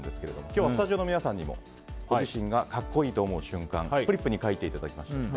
今日はスタジオの皆さんにもご自身が格好いいと思う瞬間をフリップに書いていただきました。